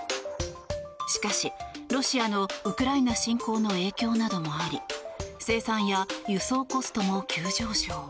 しかし、ロシアのウクライナ侵攻の影響などもあり生産や輸送コストの急上昇。